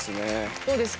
どうですか？